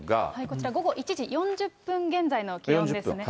こちら、午後１時４０分現在の気温ですね。